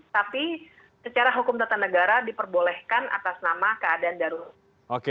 tapi secara hukum tata negara diperbolehkan atas nama keadaan darurat